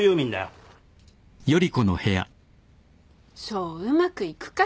そううまくいくかしら？